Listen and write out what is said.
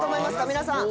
皆さん。